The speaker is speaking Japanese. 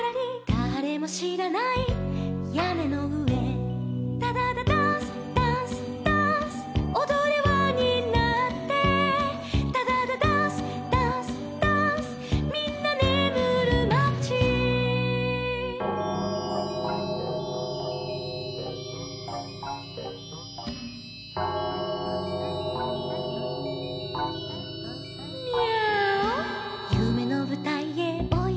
「だれもしらないやねのうえ」「ダダダダンスダンスダンス」「おどれわになって」「ダダダダンスダンスダンス」「みんなねむるまち」「ミャーオ」「ゆめのぶたいへおいでよおいで」